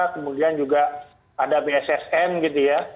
kemudian juga ada bssn gitu ya